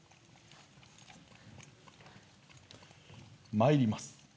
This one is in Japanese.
まいります。